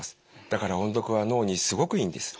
だから音読は脳にすごくいいんです。